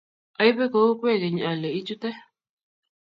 Aibe kou kwekeny ale ichute